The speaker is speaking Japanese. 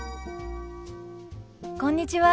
こんにちは。